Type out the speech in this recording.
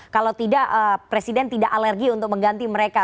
kalau tidak presiden tidak alergi untuk mengganti mereka